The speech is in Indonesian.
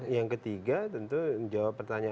yang ketiga tentu menjawab pertanyaan